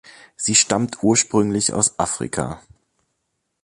Sie stammt ursprünglich aus Afrika.